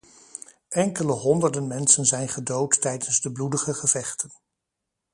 Enkele honderden mensen zijn gedood tijdens de bloedige gevechten.